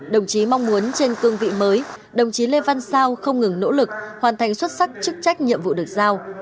đồng chí mong muốn trên cương vị mới đồng chí lê văn sao không ngừng nỗ lực hoàn thành xuất sắc chức trách nhiệm vụ được giao